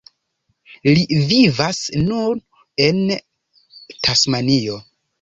Li vivas nun en Tasmanio.